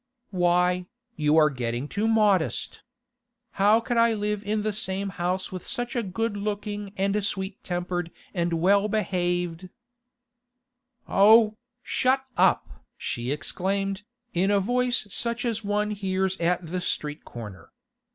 'Why? You are getting too modest. How could I live in the same house with such a good looking and sweet tempered and well behaved—' 'Oh, shut up!' she exclaimed, in a voice such as one hears at the street corner.